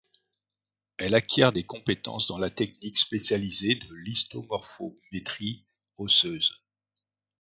Elle acquiert des compétences dans la technique spécialisée de l'histomorphométrie osseuse.